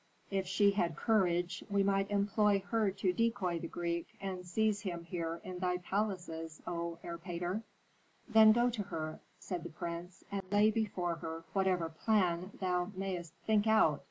If she had courage, we might employ her to decoy the Greek, and seize him here in thy palaces, O Erpatr." "Then go to her," said the prince, "and lay before her whatever plan thou mayst think out.